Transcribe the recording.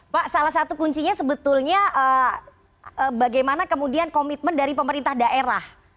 pak salah satu kuncinya sebetulnya bagaimana kemudian komitmen dari pemerintah daerah